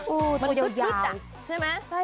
โอ้มันทึดอ่ะใช่ไหมมันทึดอ่ะ